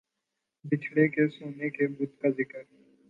بچھڑے کے سونے کے بت کا ذکر